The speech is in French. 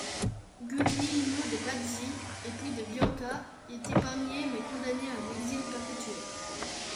Guglielmo de Pazzi, époux de Bianca, est épargné mais condamné à un exil perpétuel.